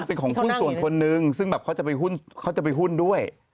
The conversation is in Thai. มันเป็นของหุ้นส่วนคนนึงซึ่งเขาจะไปหุ้นด้วย